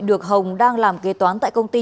được hồng đang làm kế toán tại công ty